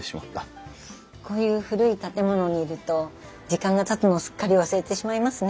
こういう古い建物にいると時間がたつのをすっかり忘れてしまいますね。